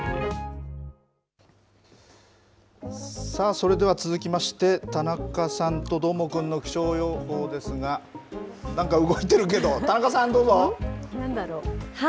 それでは続きまして、田中さんとどーもくんの気象予報ですが、なんか動いてるけど、田中さん、なんだろう。